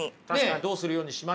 どうするようにしました？